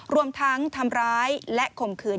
รวมทั้งทำร้ายและข่มขืน